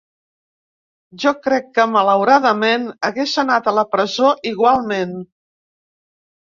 Jo crec que, malauradament, hagués anat a la presó igualment.